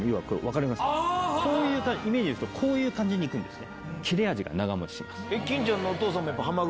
こういうイメージですとこういう感じにいくんですね。